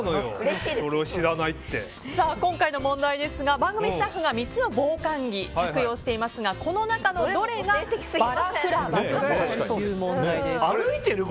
今回の問題ですが番組スタッフが３つの防寒着を着用していますがこの中のどれが歩いている？